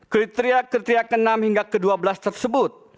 kriteria kriteria ke enam hingga ke dua belas tersebut